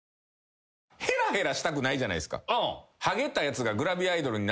ヘラヘラしたくないじゃないですか。